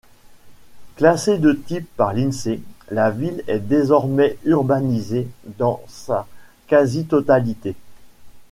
Classée de type par l'Insee, la ville est désormais urbanisée dans sa quasi-totalité.